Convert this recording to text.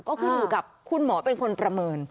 ก็คือกับคุณหมอเป็นคนประเมิน